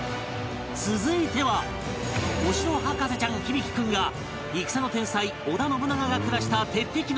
続いてはお城博士ちゃん響大君が戦の天才織田信長が暮らした鉄壁の城岐阜城へ！